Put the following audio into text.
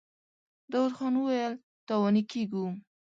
داوود خان وويل: تاواني کېږو.